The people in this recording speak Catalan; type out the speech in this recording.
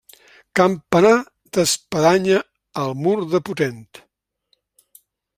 Campanar d'espadanya al mur de potent.